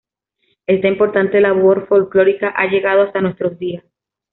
Esta importante labor folclórica ha llegado hasta nuestros días.